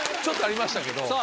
ちょっとありましたけど。